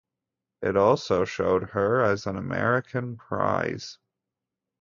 It also showed her as an American prize.